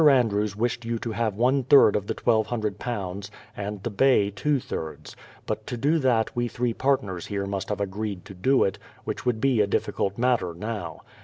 Andrews wished you to have one third of the ii200, and the Bay two thirds ; but to do that we three partners here must have agreed to it, which would be a difficult matter now.